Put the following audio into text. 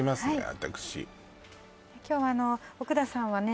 私今日は奥田さんはね